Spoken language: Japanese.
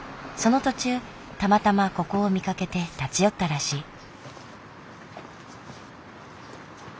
その途中たまたまここを見かけて立ち寄ったらしい。